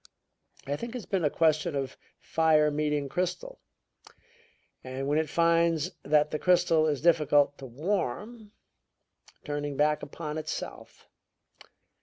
I think it has been a question of fire meeting crystal, and, when it finds that the crystal is difficult to warm, turning back upon itself.